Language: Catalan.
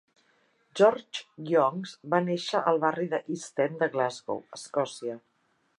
George Youngs va néixer al barri d'East End de Glasgow, Escòcia.